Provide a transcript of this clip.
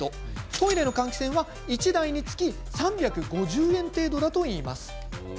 トイレの換気扇は１台につき３５０円程度だといいます。